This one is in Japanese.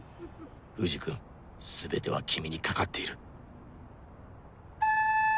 藤君全ては君に懸かっている